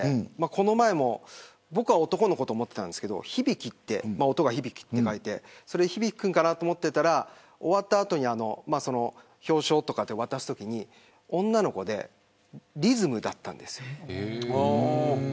この前も僕は男の子と思っていたんですが音が響と書いてヒビキ君かなと思ってたら終わって表彰とかで渡すときに女の子でリズムだったんです。